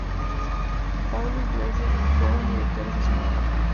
Pablo Iglesias fue su director hasta su muerte.